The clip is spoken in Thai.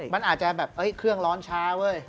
มันอาจจะแบบเครื่องร้อนช้าเว้ย